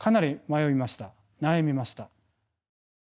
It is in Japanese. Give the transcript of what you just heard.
悩みました。